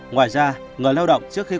ngoài ra người lao động trước khi